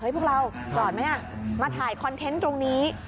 พวกเราจอดไหมมาถ่ายคอนเทนต์ตรงนี้